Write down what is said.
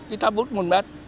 cái tháp bút một mét